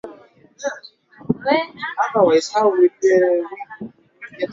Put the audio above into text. kwamba kwenda mbinguni ndio thawabu kubwa kabisa